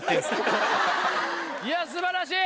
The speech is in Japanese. いや素晴らしい。